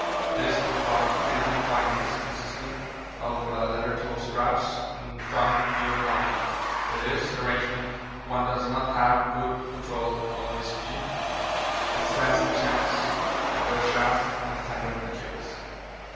For this we brought 'Finon' bindings, consisting of leather toe straps and thong heel binding. With this arrangement one does not have good control of his ski and stands the chance of a chafe on the 'tendon Achillis.'